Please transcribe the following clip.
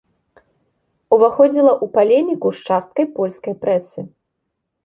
Уваходзіла ў палеміку з часткай польскай прэсы.